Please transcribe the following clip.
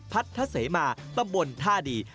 ซึ่งเป็นประเพณีที่มีหนึ่งเดียวในประเทศไทยและหนึ่งเดียวในโลก